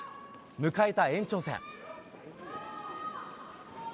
迎えた延長戦。